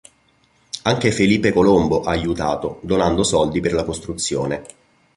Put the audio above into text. Anche Felipe Colombo ha aiutato, donando soldi per la costruzione.